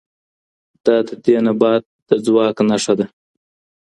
دا د دې نبات د ځواک نښه ده.